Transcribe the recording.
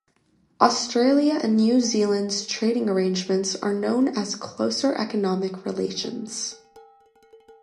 Australia and New Zealand's trading arrangements are known as Closer Economic Relations.